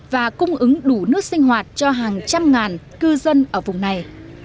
và cung ứng đủ nước sinh hoạt cho hàng trăm ngàn cư dân ở vùng này